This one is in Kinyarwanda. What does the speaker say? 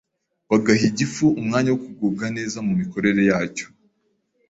bagaha igifu umwanya wo kugubwa neza mu mikorere yacyo.